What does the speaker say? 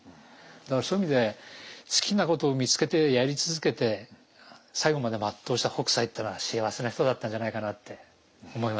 だからそういう意味で好きなことを見つけてやり続けて最後まで全うした北斎っていうのは幸せな人だったんじゃないかなって思いますね。